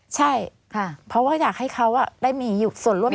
ใช่เพราะว่าอยากให้เขาได้มีส่วนร่วม